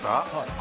あ